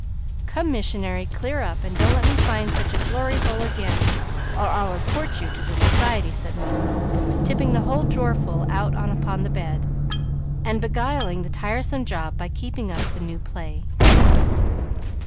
"Come, missionary, clear up, and don't let me find such a glory hole again, or I'll report you to the society," said Molly, tipping the whole drawer full out upon the bed, and beguiling the tiresome job by keeping up the new play.